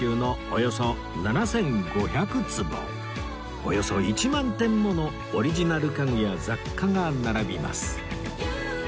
およそ１万点ものオリジナル家具や雑貨が並びます